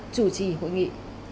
chủ trì hội nghị